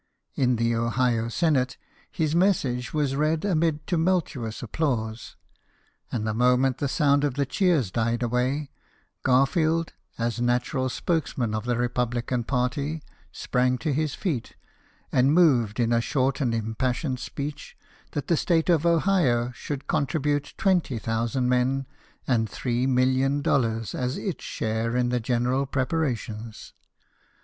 In the Ohio Senate, his message was read amid tumultuous applause ; and the moment the sound of the cheers died away, Garfield, as natural spokesman of the republican party, sprang to his feet, and moved in a short and impassioned speech that the state of Ohio should contribute twenty thousand men and three million dollars as its share in the general preparations.